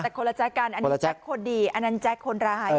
แต่คนละแจ๊คกันอันนี้แจ็คคนดีอันนั้นแจ๊คคนระหาย